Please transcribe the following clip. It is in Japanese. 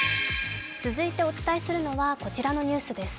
続いてお伝えするのは、こちらのニュースです。